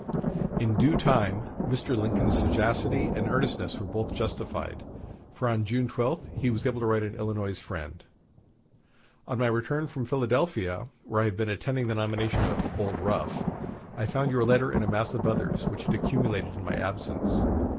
In due time Mr. Lincoln's sagacity and earnestness were both justified; for on June 12 he was able to write to an Illinois friend: "On my return from Philadelphia, where I had been attending the nomination of 'Old Rough,' I found your letter in a mass of others which had accumulated in my absence.